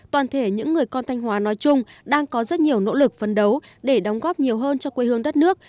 toàn thể những người con thanh hóa nói chung đang có rất nhiều nỗ lực phấn đấu để đóng góp nhiều hơn cho quê hương đất nước